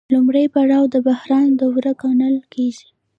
لومړی پړاو د بحران دوره ګڼل کېږي